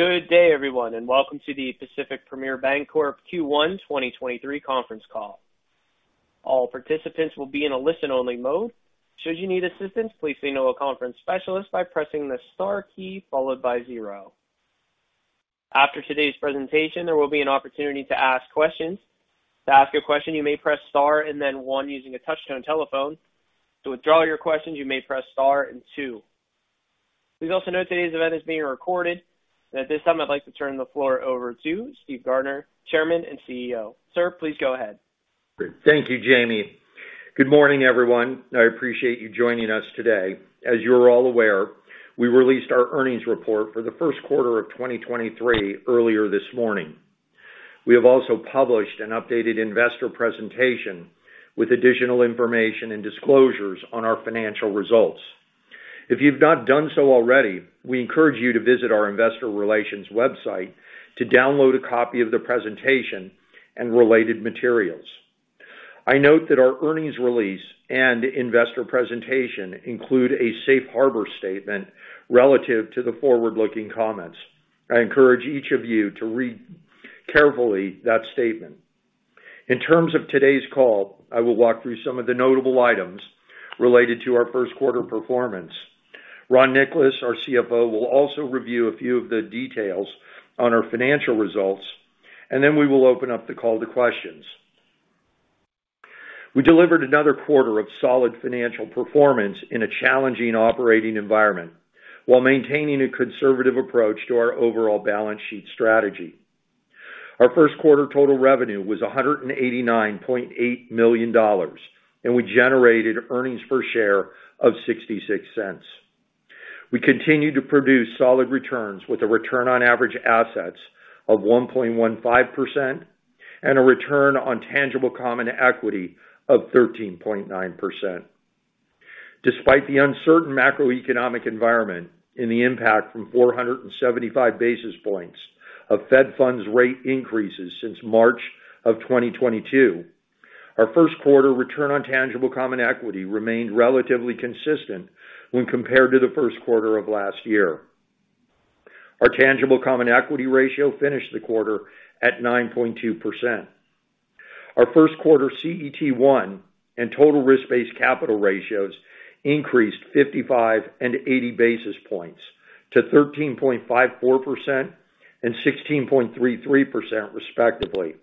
Good day, everyone, and welcome to the Pacific Premier Bancorp Q1 2023 conference call. All participants will be in a listen-only mode. Should you need assistance, please signal a conference specialist by pressing the star key followed by zero. After today's presentation, there will be an opportunity to ask questions. To ask your question, you may press star and then one using a touch-tone telephone. To withdraw your questions, you may press star and two. Please also note today's event is being recorded. At this time, I'd like to turn the floor over to Steve Gardner, Chairman and CEO. Sir, please go ahead. Thank you, Jamie. Good morning, everyone. I appreciate you joining us today. As you're all aware, we released our earnings report for the Q1 of 2023 earlier this morning. We have also published an updated investor presentation with additional information and disclosures on our financial results. If you've not done so already, we encourage you to visit our investor relations website to download a copy of the presentation and related materials. I note that our earnings release and investor presentation include a safe harbor statement relative to the forward-looking comments. I encourage each of you to read carefully that statement. In terms of today's call, I will walk through some of the notable items related to our Q1 performance. Ron Nicholas, our CFO, will also review a few of the details on our financial results, and then we will open up the call to questions. We delivered another quarter of solid financial performance in a challenging operating environment while maintaining a conservative approach to our overall balance sheet strategy. Our Q1 total revenue was $189.8 million, and we generated earnings per share of $0.66. We continue to produce solid returns with a return on average assets of 1.15% and a return on tangible common equity of 13.9%. Despite the uncertain macroeconomic environment and the impact from 475 basis points of Fed funds rate increases since March of 2022, our Q1 return on tangible common equity remained relatively consistent when compared to the Q1 of last year. Our tangible common equity ratio finished the quarter at 9.2%. Our Q1 CET1 and total risk-based capital ratios increased 55 and 80 basis points to 13.54% and 16.33% respectively.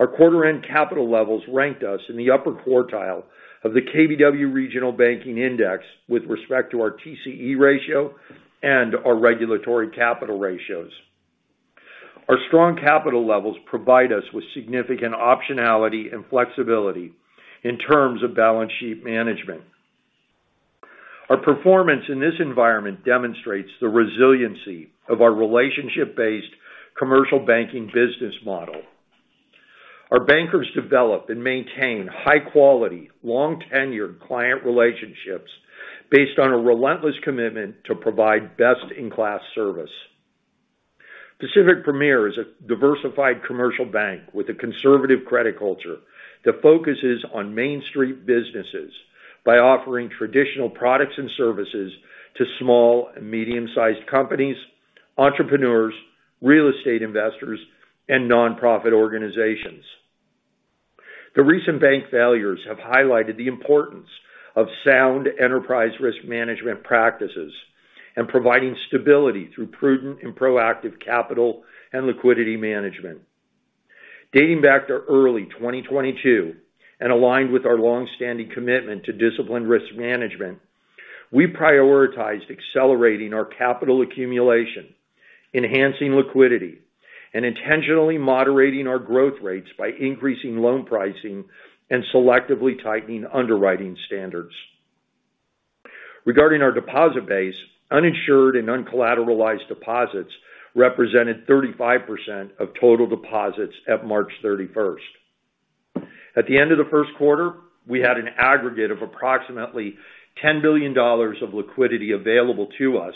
Our quarter end capital levels ranked us in the upper quartile of the KBW Regional Banking Index with respect to our TCE ratio and our regulatory capital ratios. Our strong capital levels provide us with significant optionality and flexibility in terms of balance sheet management. Our performance in this environment demonstrates the resiliency of our relationship-based commercial banking business model. Our bankers develop and maintain high quality, long tenured client relationships based on a relentless commitment to provide best-in-class service. Pacific Premier is a diversified commercial bank with a conservative credit culture that focuses on Main Street businesses by offering traditional products and services to small and medium-sized companies, entrepreneurs, real estate investors, and nonprofit organizations. The recent bank failures have highlighted the importance of sound enterprise risk management practices and providing stability through prudent and proactive capital and liquidity management. Dating back to early 2022 and aligned with our long-standing commitment to disciplined risk management, we prioritized accelerating our capital accumulation, enhancing liquidity, and intentionally moderating our growth rates by increasing loan pricing and selectively tightening underwriting standards. Regarding our deposit base, uninsured and uncollateralized deposits represented 35% of total deposits at March 31st. At the end of the Q1, we had an aggregate of approximately $10 billion of liquidity available to us,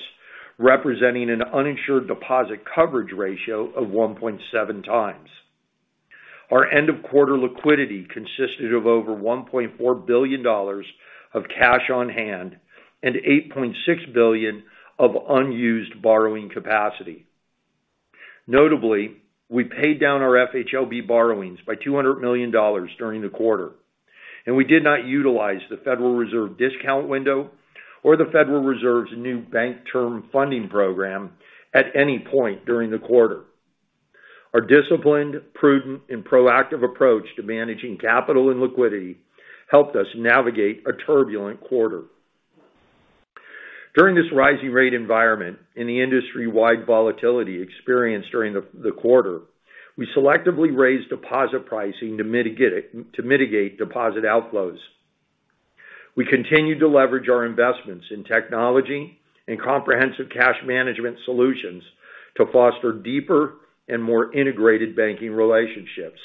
representing an uninsured deposit coverage ratio of 1.7 times. Our end of quarter liquidity consisted of over $1.4 billion of cash on hand and $8.6 billion of unused borrowing capacity. Notably, we paid down our FHLB borrowings by $200 million during the quarter. We did not utilize the Federal Reserve discount window or the Federal Reserve's new Bank Term Funding Program at any point during the quarter. Our disciplined, prudent and proactive approach to managing capital and liquidity helped us navigate a turbulent quarter. During this rising rate environment and the industry-wide volatility experienced during the quarter, we selectively raised deposit pricing to mitigate deposit outflows. We continued to leverage our investments in technology and comprehensive cash management solutions to foster deeper and more integrated banking relationships.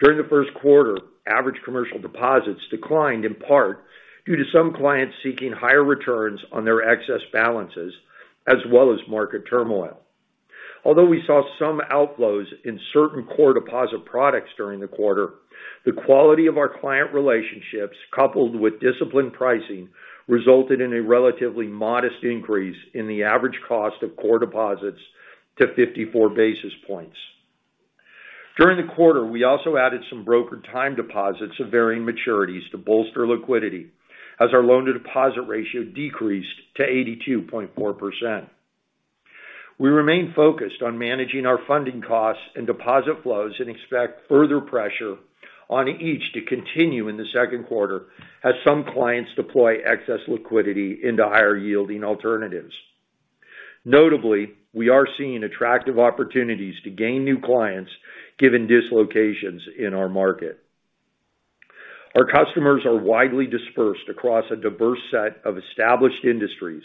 During the Q1, average commercial deposits declined in part due to some clients seeking higher returns on their excess balances as well as market turmoil. Although we saw some outflows in certain core deposit products during the quarter, the quality of our client relationships, coupled with disciplined pricing, resulted in a relatively modest increase in the average cost of core deposits to 54 basis points. During the quarter, we also added some brokered time deposits of varying maturities to bolster liquidity as our loan-to-deposit ratio decreased to 82.4%. We remain focused on managing our funding costs and deposit flows and expect further pressure on each to continue in the Q2 as some clients deploy excess liquidity into higher-yielding alternatives. Notably, we are seeing attractive opportunities to gain new clients given dislocations in our market. Our customers are widely dispersed across a diverse set of established industries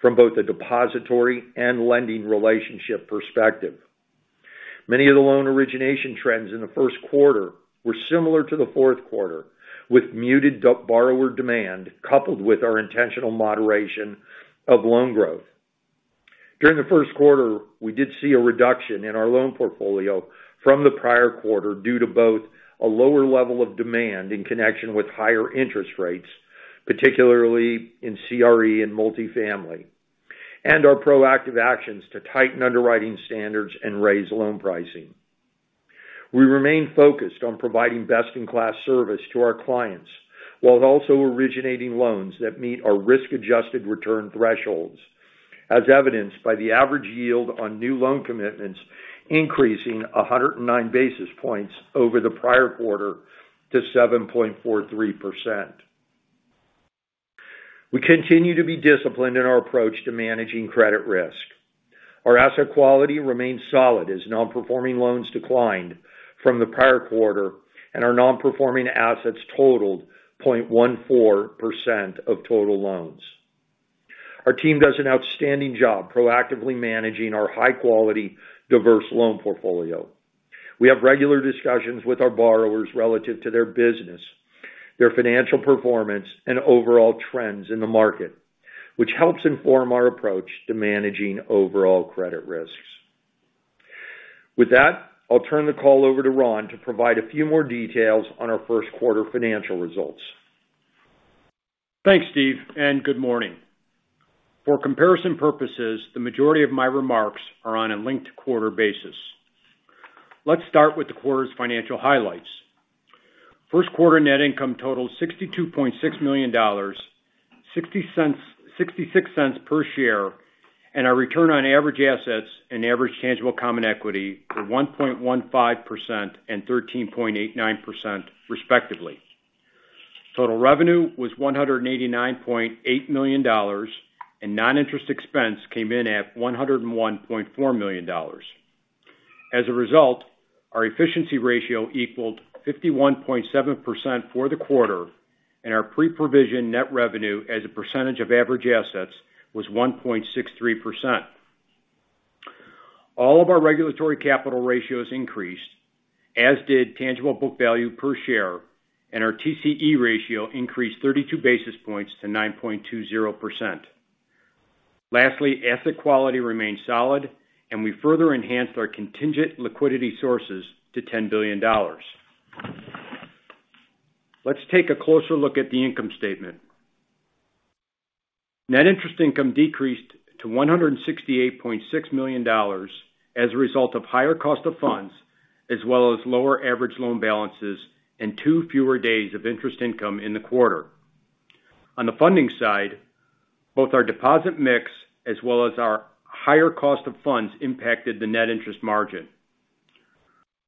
from both a depository and lending relationship perspective. Many of the loan origination trends in the Q1 were similar to the Q4, with muted borrower demand coupled with our intentional moderation of loan growth. During the Q1, we did see a reduction in our loan portfolio from the prior quarter due to both a lower level of demand in connection with higher interest rates, particularly in CRE and multifamily, and our proactive actions to tighten underwriting standards and raise loan pricing. We remain focused on providing best-in-class service to our clients while also originating loans that meet our risk-adjusted return thresholds, as evidenced by the average yield on new loan commitments increasing 109 basis points over the prior quarter to 7.43%. We continue to be disciplined in our approach to managing credit risk. Our asset quality remains solid as non-performing loans declined from the prior quarter, and our non-performing assets totaled 0.14% of total loans. Our team does an outstanding job proactively managing our high-quality diverse loan portfolio. We have regular discussions with our borrowers relative to their business, their financial performance, and overall trends in the market, which helps inform our approach to managing overall credit risks. With that, I'll turn the call over to Ron to provide a few more details on our Q1 financial results. Thanks, Steve, and good morning. For comparison purposes, the majority of my remarks are on a linked-quarter basis. Let's start with the quarter's financial highlights. Q1 net income totaled $62.6 million, $0.66 per share, and our return on average assets and average tangible common equity were 1.15% and 13.89% respectively. Total revenue was $189.8 million, and non-interest expense came in at $101.4 million. As a result, our efficiency ratio equaled 51.7% for the quarter, and our pre-provision net revenue as a percentage of average assets was 1.63%. All of our regulatory capital ratios increased, as did tangible book value per share, and our TCE ratio increased 32 basis points to 9.20%. Lastly, asset quality remains solid, and we further enhanced our contingent liquidity sources to $10 billion. Let's take a closer look at the income statement. Net interest income decreased to $168.6 million as a result of higher cost of funds as well as lower average loan balances and 2 fewer days of interest income in the quarter. On the funding side, both our deposit mix as well as our higher cost of funds impacted the net interest margin.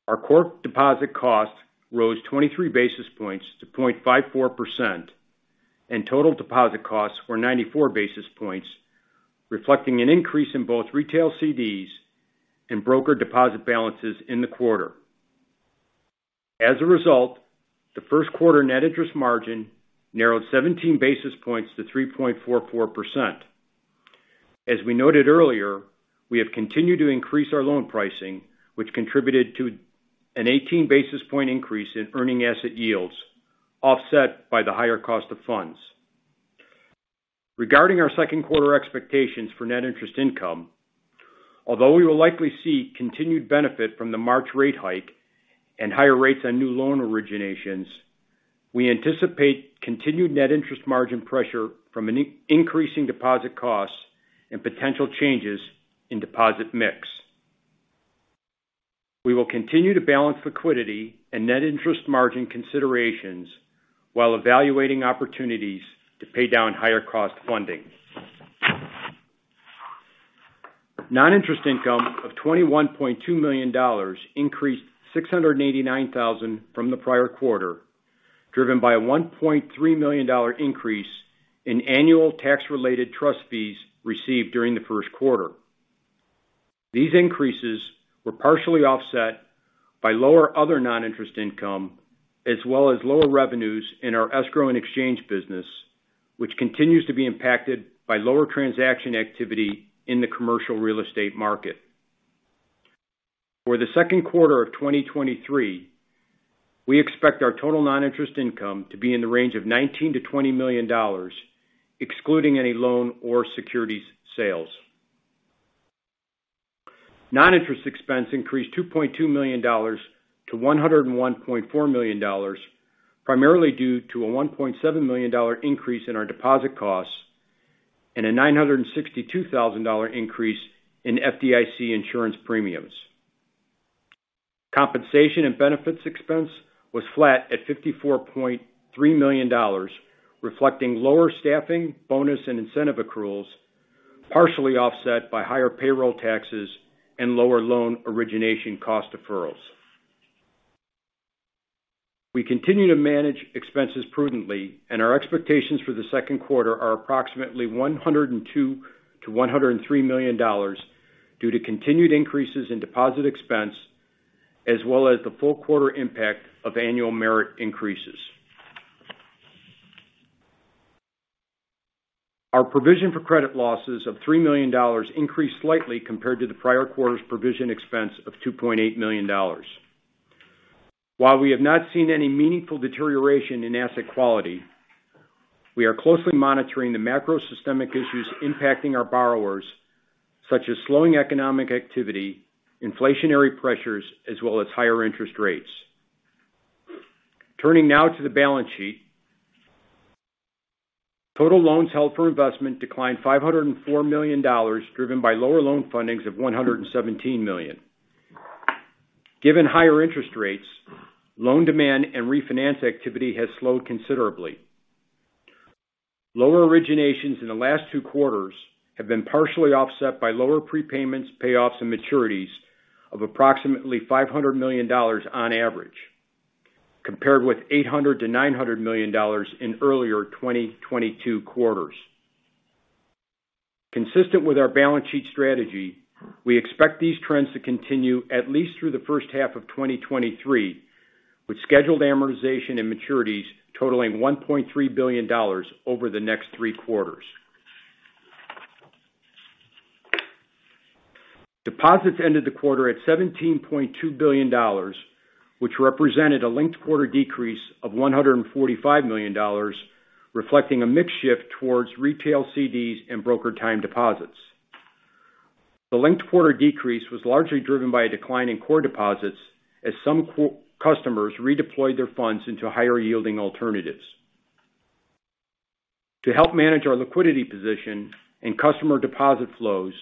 Our core deposit cost rose 23 basis points to 0.54%, and total deposit costs were 94 basis points, reflecting an increase in both retail CDs and broker deposit balances in the quarter. As a result, the Q1 net interest margin narrowed 17 basis points to 3.44%. As we noted earlier, we have continued to increase our loan pricing, which contributed to an 18 basis point increase in earning asset yields offset by the higher cost of funds. Regarding our Q2 expectations for net interest income, although we will likely see continued benefit from the March rate hike and higher rates on new loan originations, we anticipate continued net interest margin pressure from increasing deposit costs and potential changes in deposit mix. We will continue to balance liquidity and net interest margin considerations while evaluating opportunities to pay down higher cost funding. Non-interest income of $21.2 million increased $689,000 from the prior quarter, driven by a $1.3 million increase in annual tax-related trust fees received during the Q1. These increases were partially offset by lower other non-interest income as well as lower revenues in our escrow and exchange business, which continues to be impacted by lower transaction activity in the commercial real estate market. For the Q2 of 2023, we expect our total non-interest income to be in the range of $19 million-$20 million, excluding any loan or securities sales. Non-interest expense increased $2.2 million to $101.4 million, primarily due to a $1.7 million increase in our deposit costs and a $962,000 increase in FDIC insurance premiums. Compensation and benefits expense was flat at $54.3 million, reflecting lower staffing, bonus, and incentive accruals, partially offset by higher payroll taxes and lower loan origination cost deferrals. We continue to manage expenses prudently, and our expectations for the Q2 are approximately $102 million-$103 million due to continued increases in deposit expense, as well as the full quarter impact of annual merit increases. Our provision for credit losses of $3 million increased slightly compared to the prior quarter's provision expense of $2.8 million. While we have not seen any meaningful deterioration in asset quality, we are closely monitoring the macro systemic issues impacting our borrowers, such as slowing economic activity, inflationary pressures, as well as higher interest rates. Turning now to the balance sheet. Total loans held for investment declined $504 million, driven by lower loan fundings of $117 million. Given higher interest rates, loan demand and refinance activity has slowed considerably. Lower originations in the last two quarters have been partially offset by lower prepayments, payoffs, and maturities of approximately $500 million on average, compared with $800 million-$900 million in earlier 2022 quarters. Consistent with our balance sheet strategy, we expect these trends to continue at least through the first half of 2023, with scheduled amortization and maturities totaling $1.3 billion over the next three quarters. Deposits ended the quarter at $17.2 billion, which represented a linked quarter decrease of $145 million, reflecting a mix shift towards retail CDs and broker time deposits. The linked quarter decrease was largely driven by a decline in core deposits as some customers redeployed their funds into higher-yielding alternatives. To help manage our liquidity position and customer deposit flows,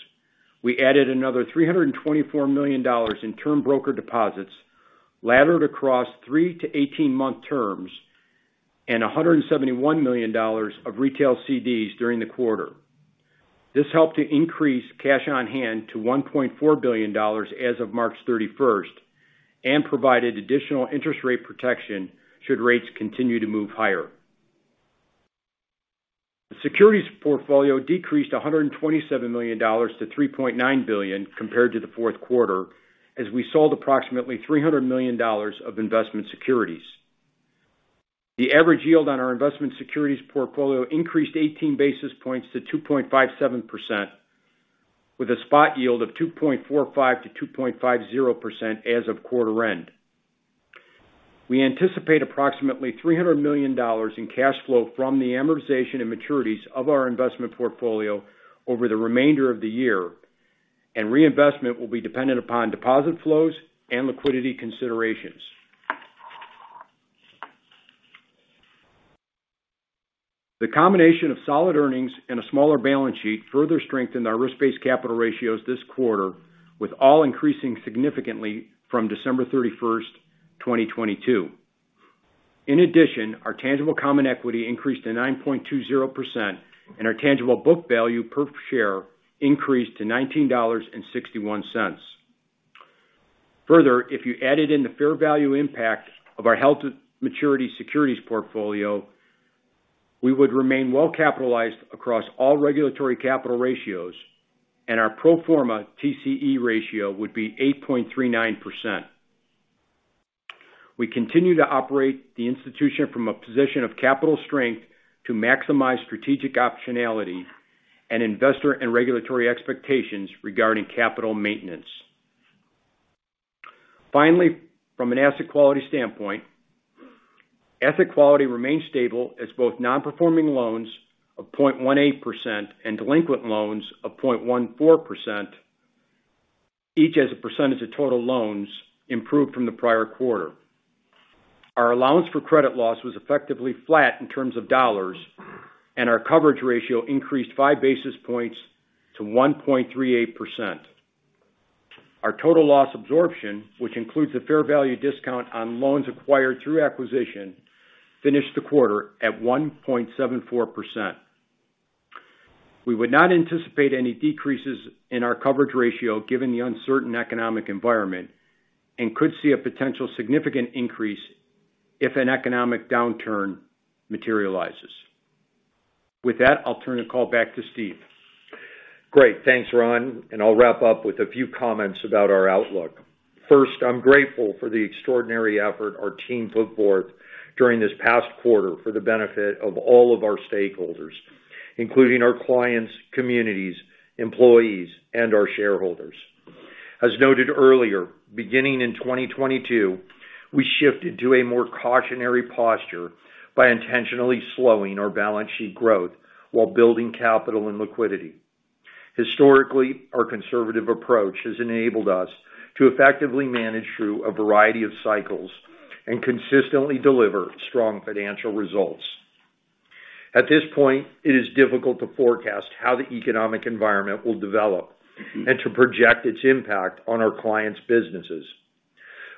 we added another $324 million in term broker deposits laddered across 3- to 18-month terms and $171 million of retail CDs during the quarter. This helped to increase cash on hand to $1.4 billion as of March 31st and provided additional interest rate protection should rates continue to move higher. The securities portfolio decreased $127 million to $3.9 billion compared to the Q4 as we sold approximately $300 million of investment securities. The average yield on our investment securities portfolio increased 18 basis points to 2.57% with a spot yield of 2.45%-2.50% as of quarter end. We anticipate approximately $300 million in cash flow from the amortization and maturities of our investment portfolio over the remainder of the year. Reinvestment will be dependent upon deposit flows and liquidity considerations. The combination of solid earnings and a smaller balance sheet further strengthened our risk-based capital ratios this quarter, with all increasing significantly from December 31, 2022. In addition, our tangible common equity increased to 9.20%, and our tangible book value per share increased to $19.61. If you added in the fair value impact of our held to maturity securities portfolio, we would remain well-capitalized across all regulatory capital ratios, and our pro forma TCE ratio would be 8.39%. We continue to operate the institution from a position of capital strength to maximize strategic optionality and investor and regulatory expectations regarding capital maintenance. From an asset quality standpoint, asset quality remains stable as both non-performing loans of 0.18% and delinquent loans of 0.14%, each as a percentage of total loans, improved from the prior quarter. Our allowance for credit losses was effectively flat in terms of dollars, and our coverage ratio increased 5 basis points to 1.38%. Our total loss absorption, which includes a fair value discount on loans acquired through acquisition, finished the quarter at 1.74%. We would not anticipate any decreases in our coverage ratio given the uncertain economic environment and could see a potential significant increase if an economic downturn materializes. I'll turn the call back to Steve. Great. Thanks, Ron, and I'll wrap up with a few comments about our outlook. First, I'm grateful for the extraordinary effort our team put forth during this past quarter for the benefit of all of our stakeholders, including our clients, communities, employees, and our shareholders. As noted earlier, beginning in 2022, we shifted to a more cautionary posture by intentionally slowing our balance sheet growth while building capital and liquidity. Historically, our conservative approach has enabled us to effectively manage through a variety of cycles and consistently deliver strong financial results. At this point, it is difficult to forecast how the economic environment will develop and to project its impact on our clients' businesses.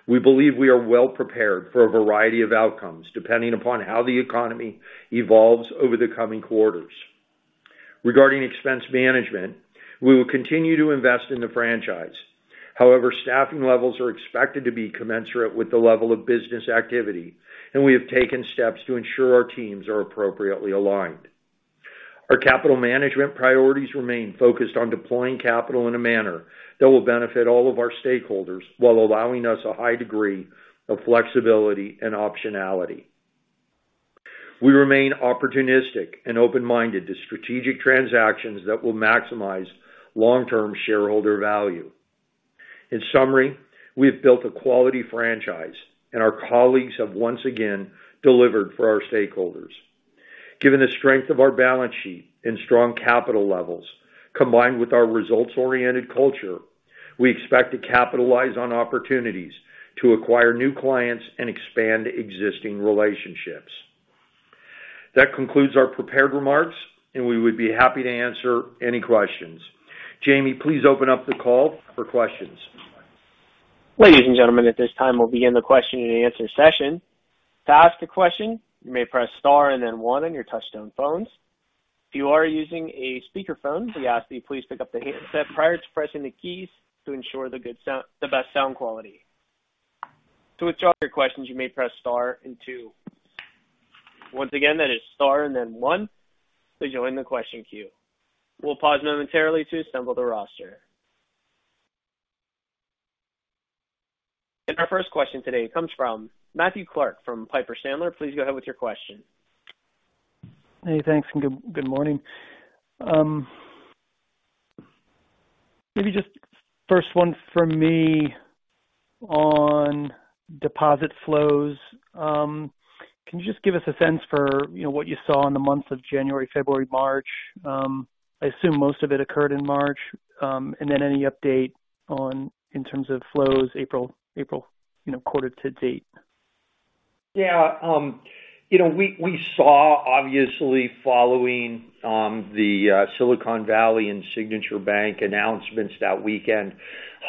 We believe we are well prepared for a variety of outcomes, depending upon how the economy evolves over the coming quarters. Regarding expense management, we will continue to invest in the franchise. However, staffing levels are expected to be commensurate with the level of business activity, and we have taken steps to ensure our teams are appropriately aligned. Our capital management priorities remain focused on deploying capital in a manner that will benefit all of our stakeholders while allowing us a high degree of flexibility and optionality. We remain opportunistic and open-minded to strategic transactions that will maximize long-term shareholder value. In summary, we have built a quality franchise, and our colleagues have once again delivered for our stakeholders. Given the strength of our balance sheet and strong capital levels, combined with our results-oriented culture, we expect to capitalize on opportunities to acquire new clients and expand existing relationships. That concludes our prepared remarks, and we would be happy to answer any questions. Jamie, please open up the call for questions. Ladies and gentlemen, at this time, we'll begin the question-and-answer session. To ask a question, you may press star and then 1 on your touch-tone phones. If you are using a speakerphone, we ask that you please pick up the handset prior to pressing the keys to ensure the best sound quality. To withdraw your questions, you may press star and two. Once again, that is star and then one to join the question queue. We'll pause momentarily to assemble the roster. Our first question today comes from Matthew Clark from Piper Sandler. Please go ahead with your question. Hey, thanks, good morning. Maybe just first one for me on deposit flows. Can you just give us a sense for, you know, what you saw in the months of January, February, March? I assume most of it occurred in March. Then any update on, in terms of flows April, quarter to date. We saw obviously following the Silicon Valley and Signature Bank announcements that weekend,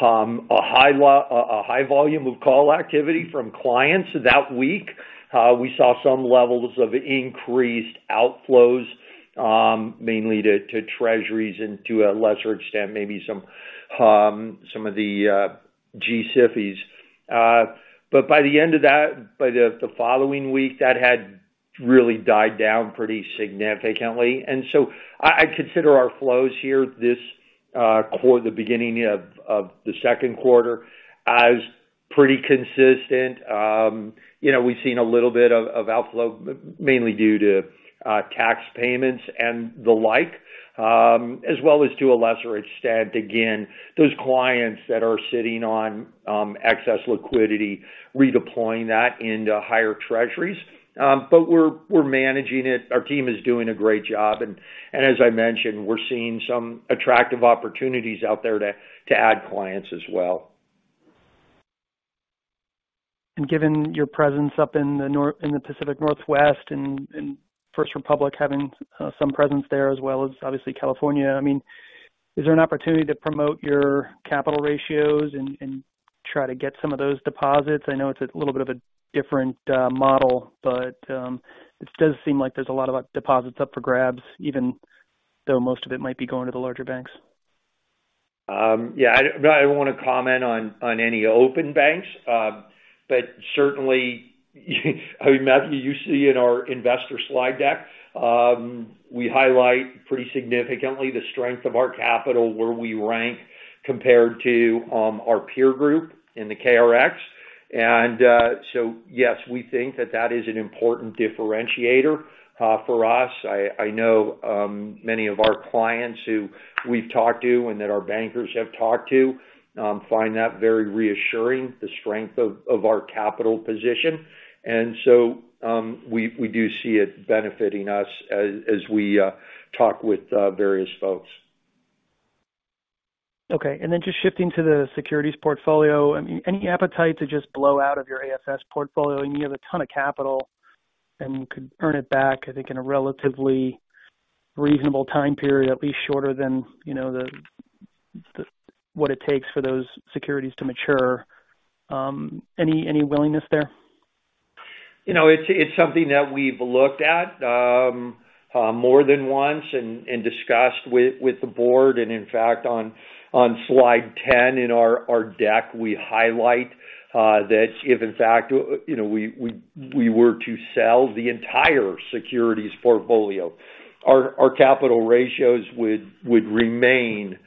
a high volume of call activity from clients that week. We saw some levels of increased outflows, mainly to Treasuries and to a lesser extent, maybe some of the G-SIFIs. By the end of that, by the following week, that had really died down pretty significantly. I consider our flows here this quarter, the beginning of the Q2 as pretty consistent. You know, we've seen a little bit of outflow, mainly due to tax payments and the like, as well as to a lesser extent, again, those clients that are sitting on excess liquidity, redeploying that into higher Treasuries. We're managing it. Our team is doing a great job. As I mentioned, we're seeing some attractive opportunities out there to add clients as well. Given your presence up in the Pacific Northwest and First Republic having some presence there as well as obviously California is there an opportunity to promote your capital ratios and try to get some of those deposits? It's a little bit of a different model, but it does seem like there's a lot of, like, deposits up for grabs, even though most of it might be going to the larger banks. Yeah. I don't wanna comment on any open banks. Certainly Matthew, you see in our investor slide deck, we highlight pretty significantly the strength of our capital, where we rank compared to our peer group in the KRX. Yes, we think that that is an important differentiator for us. I know many of our clients who we've talked to and that our bankers have talked to, find that very reassuring, the strength of our capital position. We do see it benefiting us as we talk with various folks. Okay. Just shifting to the securities portfolio. I mean, any appetite to just blow out of your AFS portfolio? you have a ton of capital, and you could earn it back, in a relatively reasonable time period, at least shorter than, you know, the what it takes for those securities to mature. Any willingness there? It's something that we've looked at, more than once and discussed with the board. In fact, on slide 10 in our deck, we highlight that if in fact, you know, we were to sell the entire securities portfolio, our capital ratios would remain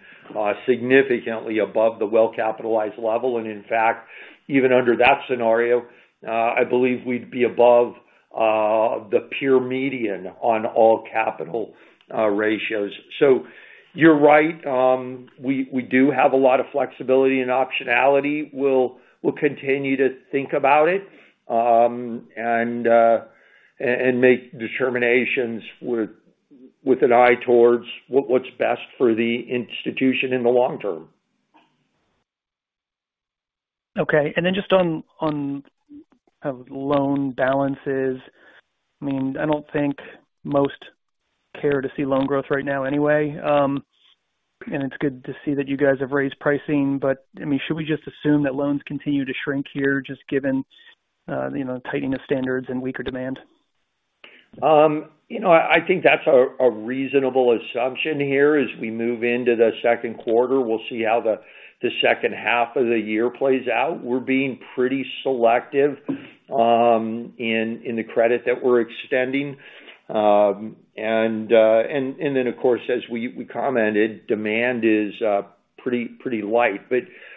significantly above the well-capitalized level. In fact, even under that scenario, I believe we'd be above the peer median on all capital ratios. You're right. We do have a lot of flexibility and optionality. We'll continue to think about it, and make determinations with an eye towards what's best for the institution in the long term. Okay. Just on, kind of, loan balances. I don't think most care to see loan growth right now anyway. It's good to see that you guys have raised pricing. should we just assume that loans continue to shrink here just given, you know, tightening of standards and weaker demand? That's a reasonable assumption here as we move into the Q2. We'll see how the second half of the year plays out. We're being pretty selective in the credit that we're extending. And then of course, as we commented, demand is pretty light.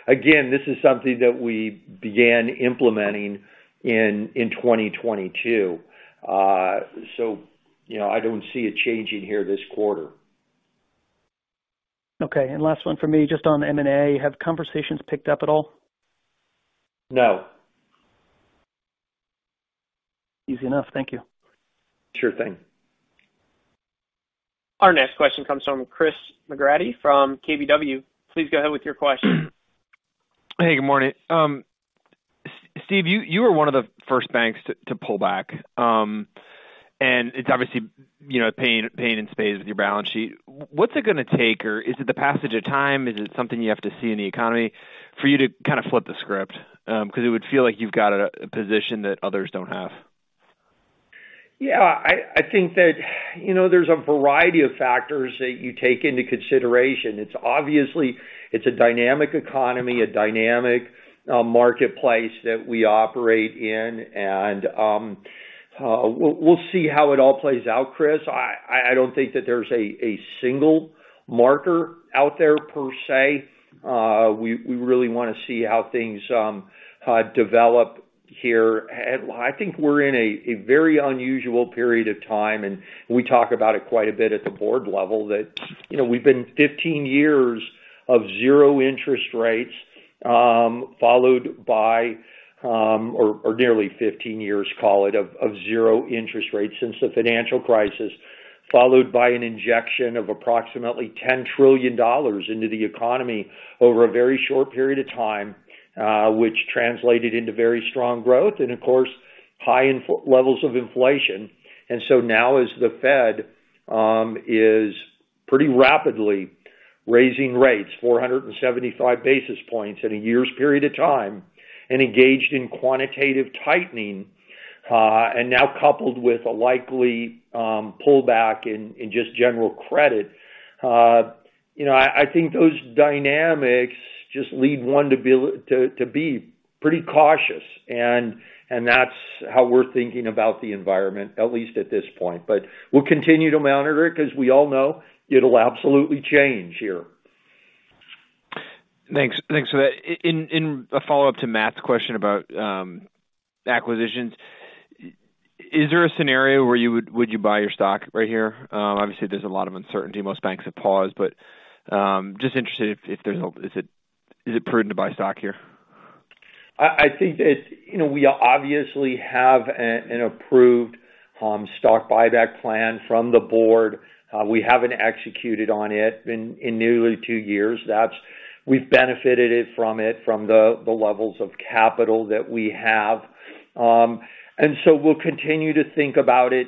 Again, this is something that we began implementing in 2022. you know, I don't see it changing here this quarter. Okay. Last one for me, just on M&A. Have conversations picked up at all? No. Easy enough. Thank you. Sure thing. Our next question comes from Chris McGratty from KBW. Please go ahead with your question. Hey, good morning. Steve, you were one of the first banks to pull back. It's obviously, you know, pain in spades with your balance sheet. What's it gonna take, or is it the passage of time? Is it something you have to see in the economy for you to kind of flip the script? It would feel like you've got a position that others don't have. Yeah. I think that, you know, there's a variety of factors that you take into consideration. It's obviously. It's a dynamic economy, a dynamic marketplace that we operate in. We'll see how it all plays out, Chris. I don't think that there's a single marker out there per se. We really wanna see how things develop here. I think we're in a very unusual period of time, we talk about it quite a bit at the board level that, you know, we've been 15 years of zero interest rates, followed by, or nearly 15 years, call it, of zero interest rates since the financial crisis, followed by an injection of approximately $10 trillion into the economy over a very short period of time, which translated into very strong growth and of course, high levels of inflation. Now as the Fed is pretty rapidly raising rates, 475 basis points in a year's period of time, and engaged in quantitative tightening, and now coupled with a likely pullback in just general credit, you know, I think those dynamics just lead one to be pretty cautious. That's how we're thinking about the environment, at least at this point. We'll continue to monitor it because we all know it'll absolutely change here. Thanks. Thanks for that. In a follow-up to Matt's question about acquisitions, is there a scenario where would you buy your stock right here? Obviously, there's a lot of uncertainty. Most banks have paused, but just interested if is it prudent to buy stock here? I think we obviously have an approved stock buyback plan from the board. We haven't executed on it in nearly two years. That's. We've benefited from it from the levels of capital that we have. We'll continue to think about it,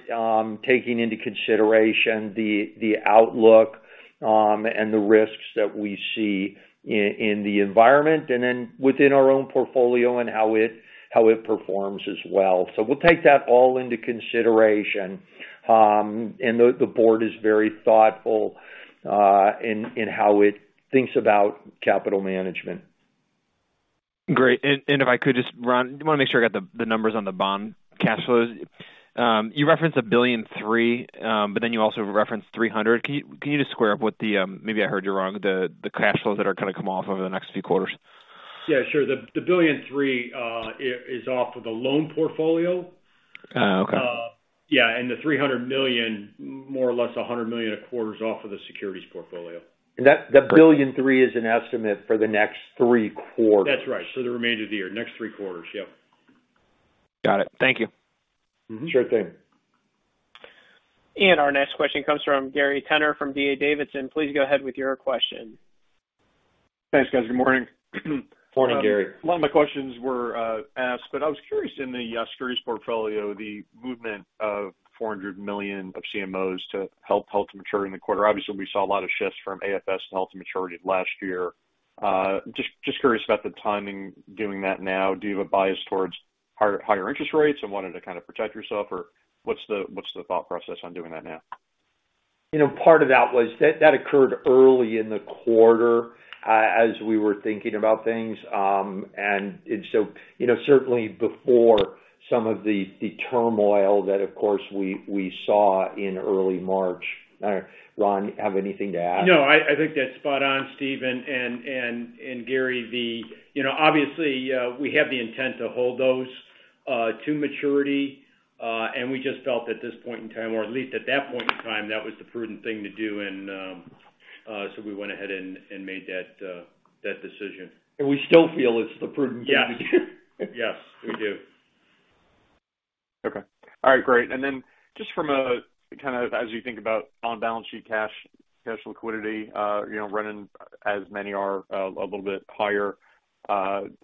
taking into consideration the outlook and the risks that we see in the environment and then within our own portfolio and how it performs as well. We'll take that all into consideration. The board is very thoughtful in how it thinks about capital management. Great. If I could just Ron, I wanna make sure I got the numbers on the bond cash flows. You referenced $1.3 billion, but then you also referenced $300. Can you just square up what the, maybe I heard you wrong, the cash flows that are gonna come off over the next few quarters? Yeah, sure. The $1.3 billion, is off of the loan portfolio. Oh, okay. Yeah, the $300 million, more or less $100 million a quarter is off of the securities portfolio. That, the $1.3 billion is an estimate for the next 3 quarters. That's right. The remainder of the year. Next three quarters. Yes. Got it. Thank you. Mm-hmm. Sure thing. Our next question comes from Gary Tenner from D.A. Davidson. Please go ahead with your question. Thanks, guys. Good morning. Morning, Gary. A lot of my questions were asked, but I was curious in the securities portfolio, the movement of $400 million of CMOs to held to maturity in the quarter. Obviously, we saw a lot of shifts from AFS to held to maturity last year. Just curious about the timing doing that now. Do you have a bias towards higher interest rates and wanted to kind of protect yourself? Or what's the thought process on doing that now? You know, part of that was, That occurred early in the quarter, as we were thinking about things. You know, certainly before some of the turmoil that of course we saw in early March. Ron, you have anything to add? No. I think that's spot on, Steve. Gary, obviously, we have the intent to hold those To maturity, and we just felt at this point in time, or at least at that point in time, that was the prudent thing to do and, so we went ahead and made that decision. We still feel it's the prudent thing to do. Yes. Yes, we do. Okay. All right, great. Then just from a kind of as you think about on-balance sheet cash liquidity, you know, running as many are, a little bit higher,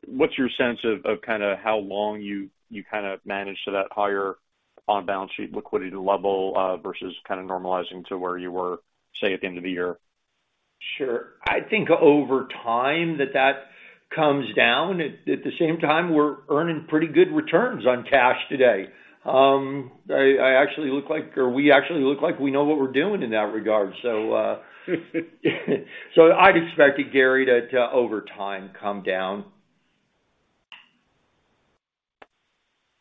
what's your sense of kind of how long you kind of manage to that higher on-balance sheet liquidity level, versus kind of normalizing to where you were, say, at the end of the year? Sure. I think over time that that comes down. At the same time, we're earning pretty good returns on cash today. I actually look like or we actually look like we know what we're doing in that regard. I'd expect it, Gary, that over time come down.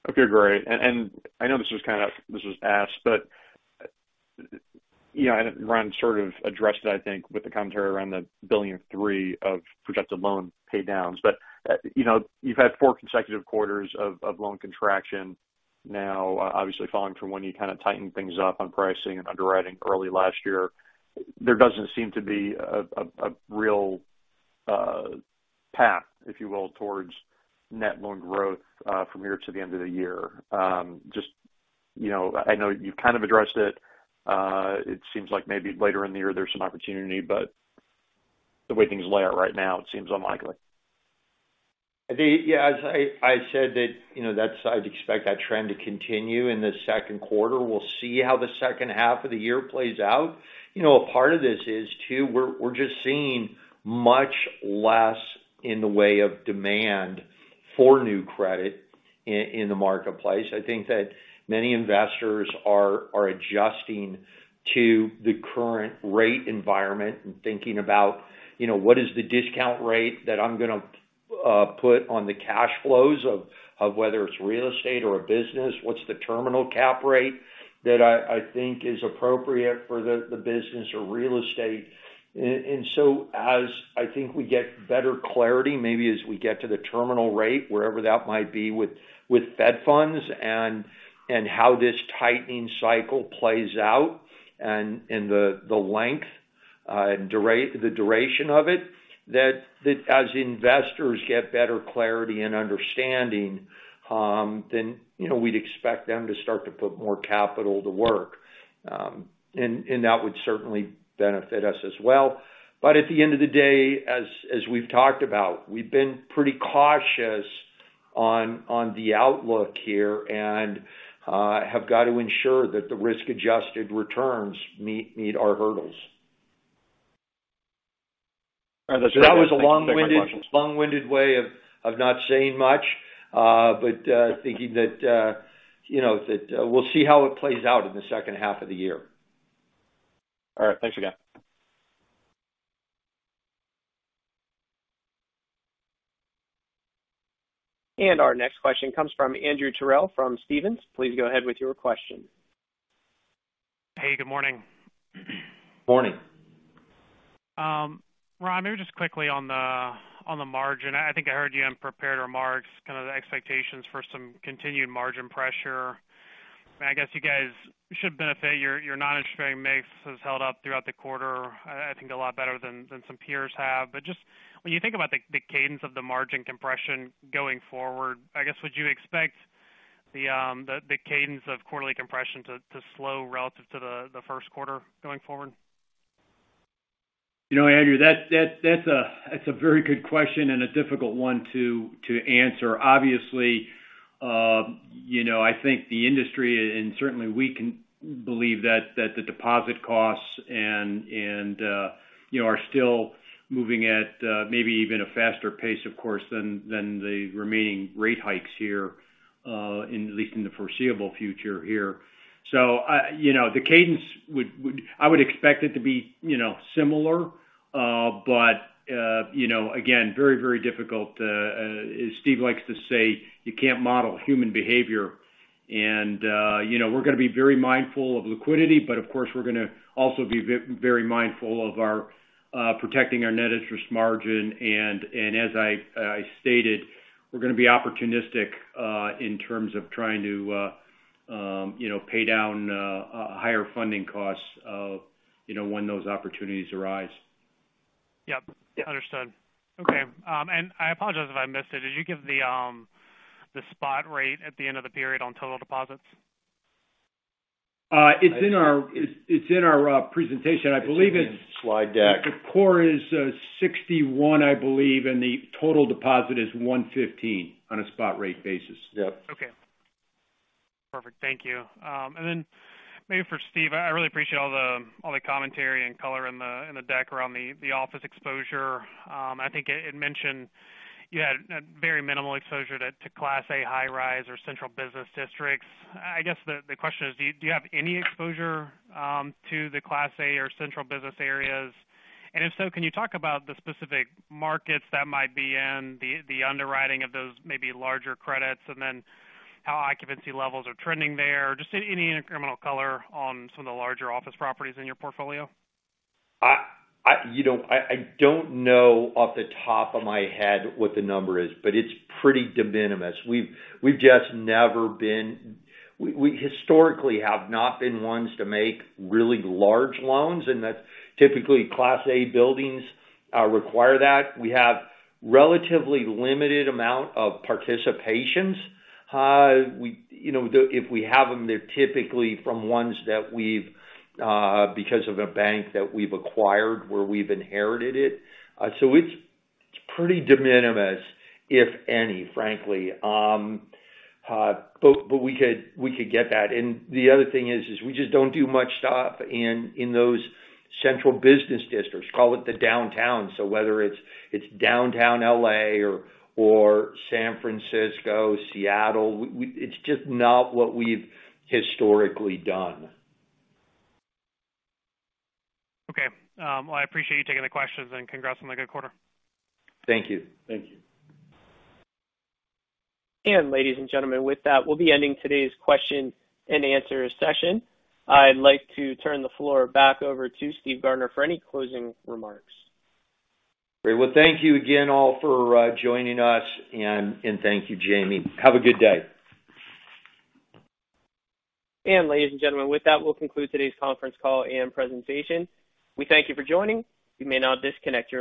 Okay, great. I know this was asked, but, you know, and Ron sort of addressed it, I think, with the commentary around the $1.3 billion of projected loan pay downs. You know, you've had four consecutive quarters of loan contraction now, obviously following from when you kind of tightened things up on pricing and underwriting early last year. There doesn't seem to be a real path, if you will, towards net loan growth, from here to the end of the year. just, I know you've kind of addressed it. It seems like maybe later in the year there's some opportunity, but the way things lay out right now, it seems unlikely. Yeah, as I said that's I'd expect that trend to continue in the Q2. We'll see how the second half of the year plays out. You know, a part of this is too, we're just seeing much less in the way of demand for new credit in the marketplace. I think that many investors are adjusting to the current rate environment and thinking about, you know, what is the discount rate that I'm gonna put on the cash flows of whether it's real estate or a business? What's the terminal cap rate that I think is appropriate for the business or real estate? As I think we get better clarity, maybe as we get to the terminal rate, wherever that might be with Fed funds and how this tightening cycle plays out and the length and the duration of it, that as investors get better clarity and understanding, then, you know, we'd expect them to start to put more capital to work. That would certainly benefit us as well. At the end of the day, as we've talked about, we've been pretty cautious on the outlook here and have got to ensure that the risk-adjusted returns meet our hurdles. All right. That's it. That was a long-winded way of not saying much, but thinking that, you know, we'll see how it plays out in the second half of the year. All right. Thanks again. Our next question comes from Andrew Terrell from Stephens. Please go ahead with your question. Hey, good morning. Morning. Ron, maybe just quickly on the, on the margin. I think I heard you in prepared remarks, kind of the expectations for some continued margin pressure. I guess you guys should benefit. Your, your non-interest-bearing mix has held up throughout the quarter, I think a lot better than some peers have. Just when you think about the cadence of the margin compression going forward, I guess, would you expect the cadence of quarterly compression to slow relative to the Q1 going forward? Andrew, that's a very good question and a difficult one to answer. Obviously, you know, I think the industry and certainly we can believe that the deposit costs and, you know, are still moving at maybe even a faster pace, of course, than the remaining rate hikes here in at least in the foreseeable future here. You know, the cadence I would expect it to be, you know, similar. You know, again, very difficult to as Steve likes to say, you can't model human behavior. You know, we're gonna be very mindful of liquidity, but of course, we're gonna also be very mindful of our protecting our net interest margin. As I stated, we're gonna be opportunistic, in terms of trying to, you know, pay down higher funding costs of, you know, when those opportunities arise. Yes. Understood. Okay. I apologize if I missed it. Did you give the spot rate at the end of the period on total deposits? It's in our presentation. I believe It's in the slide deck. The core is $61, I believe, and the total deposit is $115 on a spot rate basis. Yes. Okay. Perfect. Thank you. Then maybe for Steve Gardner, I really appreciate all the commentary and color in the deck around the office exposure. I think it mentioned you had a very minimal exposure to Class A high rise or central business districts. I guess the question is, do you have any exposure to the Class A or central business areas? If so, can you talk about the specific markets that might be in the underwriting of those maybe larger credits? Then how occupancy levels are trending there? Just any incremental color on some of the larger office properties in your portfolio. I don't know off the top of my head what the number is, but it's pretty de minimis. We've just never been. We historically have not been ones to make really large loans, and that's typically Class A buildings require that. We have relatively limited amount of participations. You know, if we have them, they're typically from ones that we've, because of a bank that we've acquired where we've inherited it. So it's pretty de minimis, if any, frankly. But we could get that. The other thing is, we just don't do much stuff in those central business districts, call it the downtown. Whether it's downtown L.A. or San Francisco, Seattle, it's just not what we've historically done. Okay. Well, I appreciate you taking the questions, and Congratulations on the good quarter. Thank you. Thank you. Ladies and gentlemen, with that, we'll be ending today's question and answer session. I'd like to turn the floor back over to Steve Gardner for any closing remarks. Great. Well, thank you again all for joining us, and thank you, Jamie. Have a good day. Ladies and gentlemen, with that, we'll conclude today's conference call and presentation. We thank you for joining. You may now disconnect your lines.